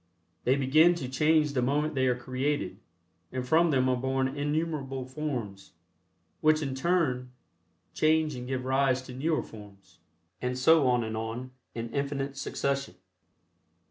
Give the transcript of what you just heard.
They begin to change the moment they are created, and from them are born innumerable forms, which in turn change and give rise to newer forms, and so on and on, in infinite succession.